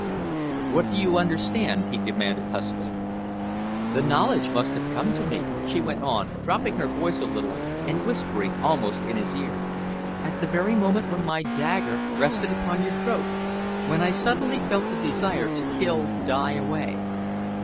"What do you understand?" he demanded huskily. "The knowledge must have come to me," she went on, dropping her voice a little and whispering almost in his ear, "at the very moment when my dagger rested upon your throat, when I suddenly felt the desire to kill die away.